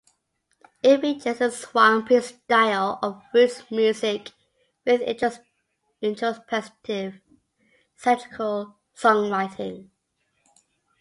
It features a swampy style of roots music with introspective, satirical songwriting.